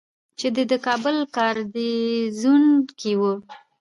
چې دی د کابل ګارنیزیون کې ؤ